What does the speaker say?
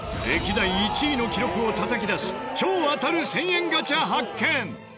歴代１位の記録をたたき出す超当たる１０００円ガチャ発見！